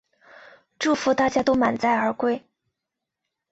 祝福大家都满载而归